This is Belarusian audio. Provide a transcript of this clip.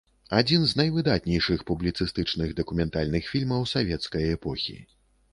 Адзін з найвыдатнейшых публіцыстычных дакументальных фільмаў савецкай эпохі.